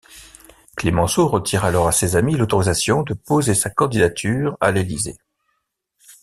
Clemenceau retire alors à ses amis l’autorisation de poser sa candidature à l'Élysée.